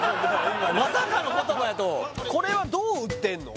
まさかの言葉やとこれはどう売ってんの？